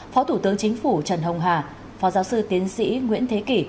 phó thủ tướng chính phủ trần hồng hà phó giáo sư tiến sĩ nguyễn thế kỷ